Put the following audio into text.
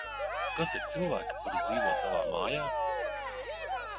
Kas ir cilvēki, kuri dzīvo tavā mājā?